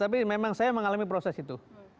tapi memang saya mengalami proses itu